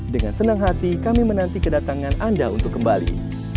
dengan senang hati kami menanti kedatangan anda untuk kembali